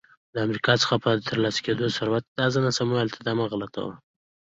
له امریکا څخه په ترلاسه کېدونکي ثروت کې به ونډه خوندي وي.